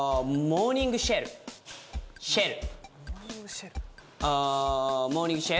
モーニングシェル？